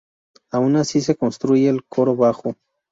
Aun así se construye el coro bajo.